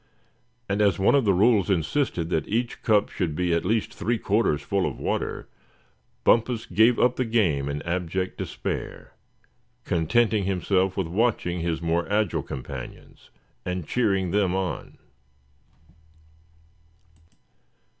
And as one of the rules insisted that each cup should be at least three quarters full of water, Bumpus gave up the game in abject despair, contenting himself with watching his more agile companions, and cheering them on.